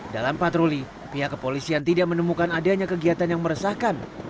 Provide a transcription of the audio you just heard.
dalam patroli pihak kepolisian tidak menemukan adanya kegiatan yang meresahkan